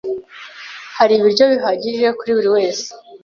Hari ibiryo bihagije kuri buri wese?